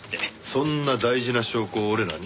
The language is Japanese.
そんな大事な証拠を俺らに？